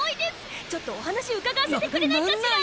ちょっとお話伺わせてくれないかしら？